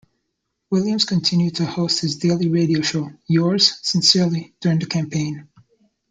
Williams continued to host his daily radio show, "Yours Sincerely" during the campaign.